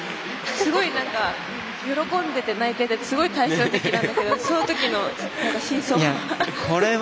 すごい、喜んでて泣いててすごい対照的なんだけどそのときの真相は？